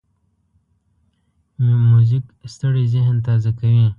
موزیک ستړی ذهن تازه کوي.